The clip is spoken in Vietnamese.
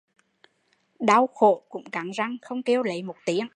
Đau khổ cũng cắn răng không kêu lấy một tiếng